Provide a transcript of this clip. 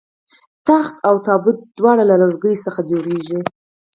تخت او تابوت دواړه له لرګیو جوړیږي